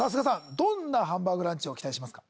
どんなハンバーグランチを期待しますか？